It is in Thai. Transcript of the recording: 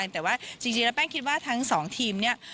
แต่ว่าจริงแล้วแป้งคิดว่าทั้งสองทีมเนี่ย